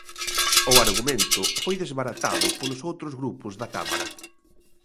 O argumento foi desbaratado polos outros grupos da Cámara.